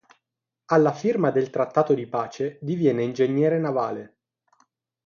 Alla firma del trattato di pace diviene ingegnere navale.